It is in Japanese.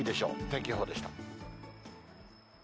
天気予報でした。